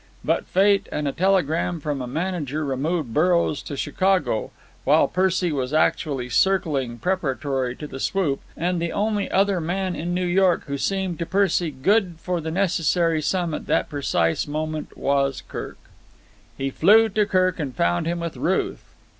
But fate and a telegram from a manager removed Burrows to Chicago, while Percy was actually circling preparatory to the swoop, and the only other man in New York who seemed to Percy good for the necessary sum at that precise moment was Kirk. He flew to Kirk and found him with Ruth.